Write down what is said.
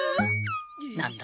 なんだ？